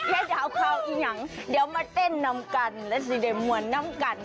ยายดาวเข้ากินอย่างเดี๋ยวมาเต้นน้ำกันแล้วสิได้มวลน้ำกัน